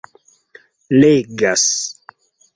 legas